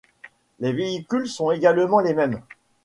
Les véhicules sont également les mêmes.